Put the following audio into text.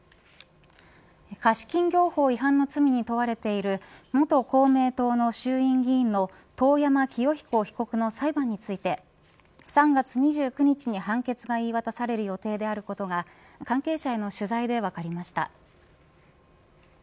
貸金業法違反の罪に問われている元公明党の衆院議員の遠山清彦被告の裁判について３月２９日に判決が言い渡される予定であることが関係者への取材で分かりました。